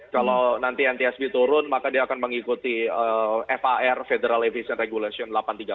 kalau nanti ntsb turun maka dia akan mengikuti far federal evision regulation delapan ratus tiga puluh